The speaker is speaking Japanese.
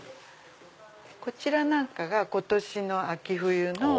こちらなんかが今年の秋冬の。